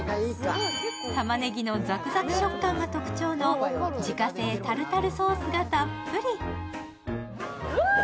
たまねぎのザクザク食感が特徴の自家製タルタルソースがたっぷり。